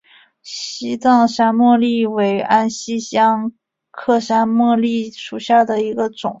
西藏山茉莉为安息香科山茉莉属下的一个种。